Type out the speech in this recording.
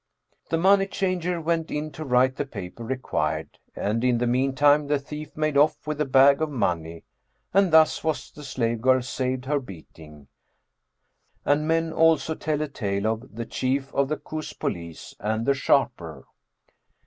The money changer went in to write the paper required; and in the meantime the thief made off with the bag of money and thus was the slave girl saved her beating. And men also tell a tale of THE CHIEF OF THE KUS POLICE AND THE SHARPER.